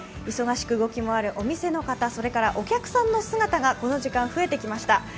忙しく動き回るお店の方そしてお客さんの姿もこの時間、増えてきました。